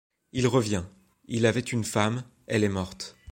Il revient. Il avait une femme, . elle est morte ;